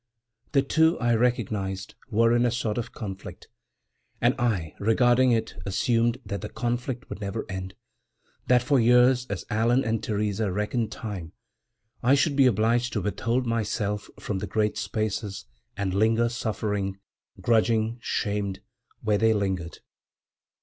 The two, I recognized, were in a sort of conflict; and I, regarding it, assumed that the conflict would never end; that for years, as Allan and Theresa reckoned time, I should be obliged to withhold myself from the great spaces and linger suffering, grudging, shamed, where they lingered.